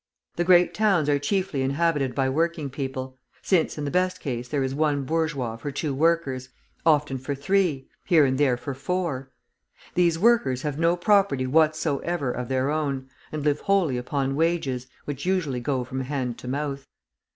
The great towns are chiefly inhabited by working people, since in the best case there is one bourgeois for two workers, often for three, here and there for four; these workers have no property whatsoever of their own, and live wholly upon wages, which usually go from hand to mouth.